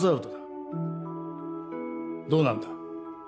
どうなんだ？